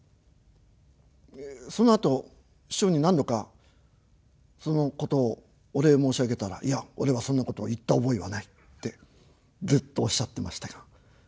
そのあと師匠に何度かそのことをお礼申し上げたら「いや俺はそんなこと言った覚えはない」ってずっとおっしゃってましたけど。